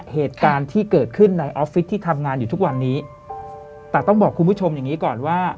เหตุการณ์ที่เกิดขึ้นในออฟฟิศที่ทำงานอยู่ทุกวันนี้แต่ต้องบอกคุณผู้ชมอย่างงี้ก่อนว่า